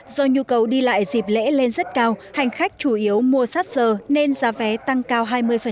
do nhu cầu đi lại dịp lễ lên rất cao hành khách chủ yếu mua sát giờ nên giá vé tăng cao hai mươi